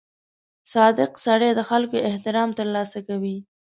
• صادق سړی د خلکو احترام ترلاسه کوي.